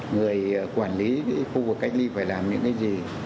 người quản lý khu vực cách ly phải làm những cái gì